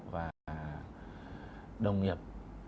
và đồng nghiệp